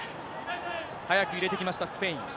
速く入れてきました、スペイン。